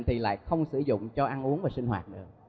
thì lại không sử dụng cho ăn uống và sinh hoạt được